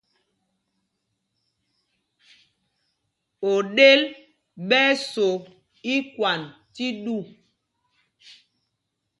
Oɗel ɓɛ́ ɛ́ so ikwand tí ɗu.